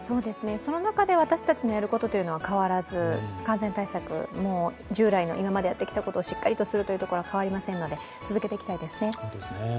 その中で私たちのやることは変わらず感染対策、従来の今までやってきたことをしっかりとすることは変わりませんので続けていきたいですね。